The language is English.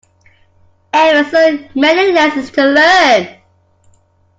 Ever so many lessons to learn!